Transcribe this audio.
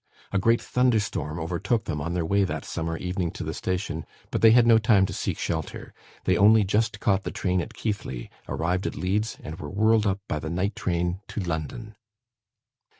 A great thunderstorm overtook them on their way that summer evening to the station; but they had no time to seek shelter. They only just caught the train at Keighley, arrived at Leeds, and were whirled up by the night train to London.